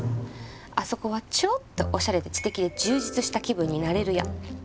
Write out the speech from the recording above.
あそこはちょっとオシャレで知的で充実した気分になれる屋。